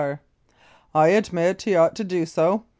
: I admit he ought to do so.